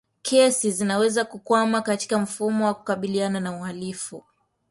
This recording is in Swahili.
Kesi zinaweza kukwama katika mfumo wa kukabiliana na uhalifu